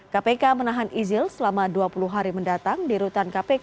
kpk menahan izil selama dua puluh hari mendatang di rutan kpk